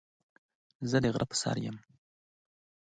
زه د غره په سر باندې يم.